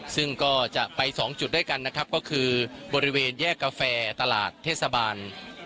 ซึ่งก็จะไป๒จุดด้วยกันนะครับก็คือบริเวณแยกกาแฟตลาดเทศบาล